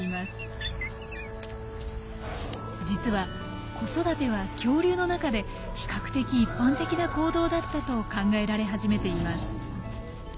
実は子育ては恐竜の中で比較的一般的な行動だったと考えられ始めています。